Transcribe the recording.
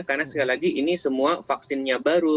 karena sekali lagi ini semua vaksinnya baru